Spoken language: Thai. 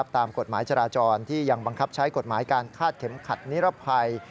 ตามกฎหมายจราจรที่ยังบังคับใช้กฎหมายการคาดเข็มขัดนิรภัย